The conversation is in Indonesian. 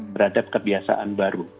berhadap kebiasaan baru